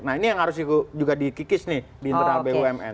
nah ini yang harus juga dikikis nih di internal bumn